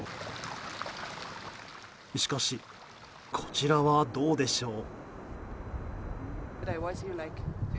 しかし、こちらはどうでしょう。